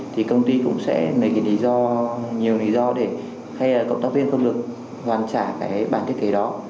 thì công ty cũng sẽ lấy cái lý do nhiều lý do để hay là cộng tác viên không được đoàn trả cái bản thiết kế đó